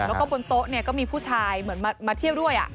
แล้วก็บนโต๊ะเนี่ยก็มีผู้ชายเหมือนมาเที่ยวด้วย